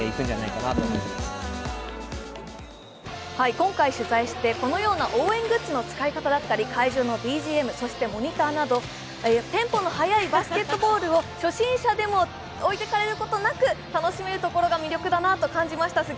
今回取材してこのような応援グッズの使い方だったり会場のＢＧＭ、そしてモニターなどテンポの速いバスケットボールを初心者でも置いていかれることなく楽しめるところが魅力だなと感じました。